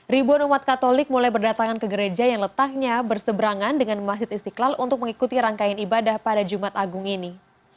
ribuan umat katolik mulai berdatangan ke gereja yang letaknya berseberangan dengan masjid istiqlal untuk mengikuti rangkaian ibadah pada jumat agung ini